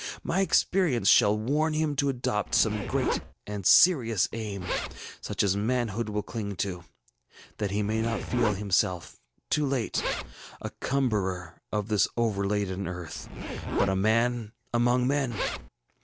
My experience shall warn him to adopt some great and serious aim, such as manhood will cling to, that he may not feel himself, too late, a cumberer of this overladen earth, but a man among men.